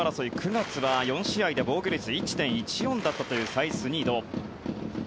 ９月は４試合で防御率１．１４だったというサイスニード。